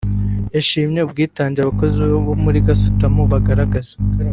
yashimiye ubwitange abakozi muri gasutamo bagaragaza